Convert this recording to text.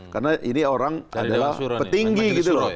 karena ini orang adalah petinggi gitu loh